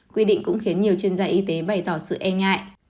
quy định cũng khiến nhiều chuyên gia y tế bày tỏ sự e ngại